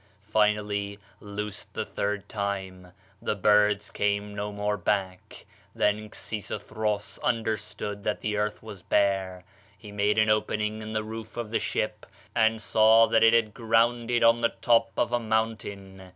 Finally, loosed the third time, the birds came no more back. Then Xisuthros understood that the earth was bare. He made an opening in the roof of the ship, and saw that it had grounded on the top of a mountain.